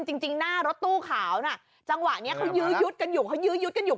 จริงหน้ารถตู้ขาวน่ะจังหวะนี้เขายืดกันอยู่